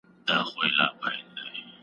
هیوادونه به نوي تړونونه لاسلیک کړي.